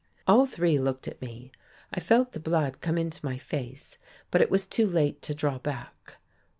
All three looked at me. I felt the blood come into my face, but it was too late to draw back.